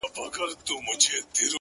راڅخه زړه وړي رانه ساه وړي څوك؛